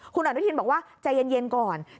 คุณอนุทินบอกว่าใจเย็นก่อน